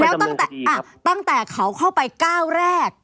แล้วตั้งแต่เขาเข้าไปก้าวแรก